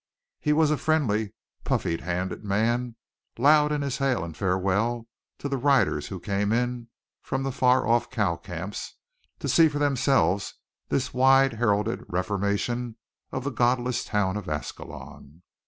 He was a friendly, puffy handed man, loud in his hail and farewell to the riders who came in from the far off cow camps to see for themselves this wide heralded reformation of the godless town of Ascalon.